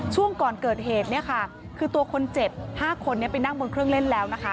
ช่วงก่อนเกิดเหตุคือตัวคนเจ็บ๕คนนี้ไปนั่งบนเครื่องเล่นแล้ว